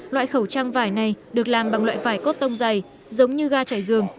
loại khẩu trang vải này được làm bằng loại vải cốt tông dày giống như ga chảy dường